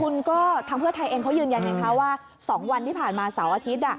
คุณก็ทางเพื่อไทยเองเขายืนยันไงคะว่า๒วันที่ผ่านมาเสาร์อาทิตย์